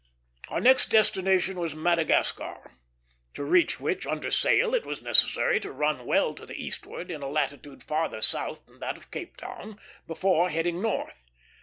Our next destination was Madagascar; to reach which, under sail, it was necessary to run well to the eastward, in a latitude farther south than that of Cape Town, before heading north.